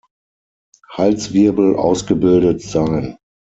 Halswirbel ausgebildet sein.